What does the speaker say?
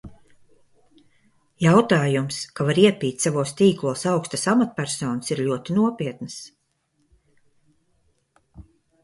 Jautājums, ka var iepīt savos tīklos augstas amatpersonas, ir ļoti nopietns.